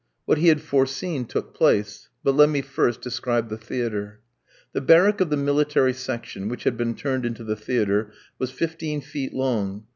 What he had foreseen took place. But let me first describe the theatre. The barrack of the military section, which had been turned into the theatre, was fifteen feet long.